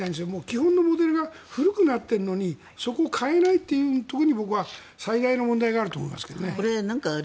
基本のモデルが古くなっているのにそこを変えないというところに僕は最大の問題があると思いますけど。